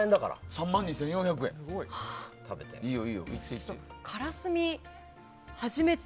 ３万２４００円。からすみ、初めて。